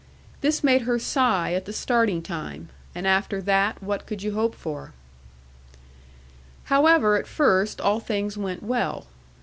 This made her sigh at the starting time; and after that what could you hope for? 'However, at first all things went well.